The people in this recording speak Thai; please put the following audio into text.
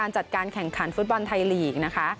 จัดการแข่งขันฟุตบอลไทยลีกนะคะ